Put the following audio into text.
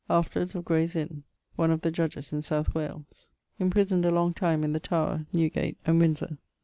Afterwards of Graye's inne. One of the judges in South Wales. Imprisoned a long time in the Tower, Newgate, and Windsore.